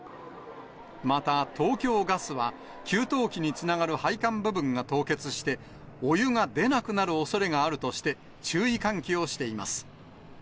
また、東京ガスは、給湯器につながる配管部分が凍結して、お湯が出なくなるおそれがあるとして、注意喚起をしています。